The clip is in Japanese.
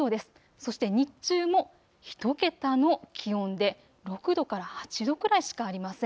そして日中も１桁の気温で６度から８度くらいしかありません。